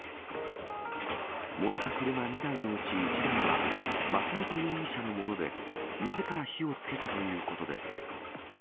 燃えた車２台のうち１台は、松本容疑者のもので、みずから火をつけたということです。